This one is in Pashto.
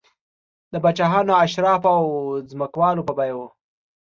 د پاچاهانو، اشرافو او ځمکوالو په بیه و